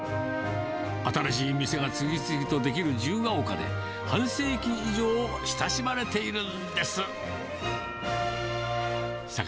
新しい店が次々と出来る自由が丘で、半世紀以上、親しまれているんです。